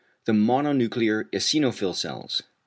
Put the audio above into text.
=The mononuclear eosinophil cells.